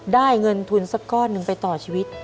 ได้เงินทุนสักก้อนหนึ่งไปต่อชีวิต